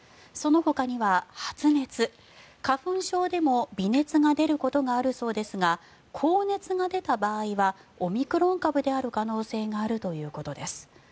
そのほかには発熱花粉症でも微熱が出ることがあるそうですが高熱が出た場合はオミクロン株である可能性があるということです。